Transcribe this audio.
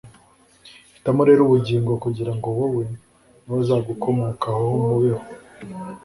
hitamo rero ubugingo kugira ngo wowe n’abazagukomokahomubeho